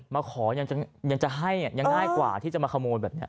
มาขอยังจะให้ยังง่ายกว่าที่จะมาขโมยแบบนี้